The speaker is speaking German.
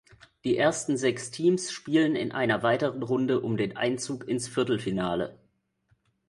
Die ersten sechs Teams spielen in einer weiteren Runde um den Einzug ins Viertelfinale.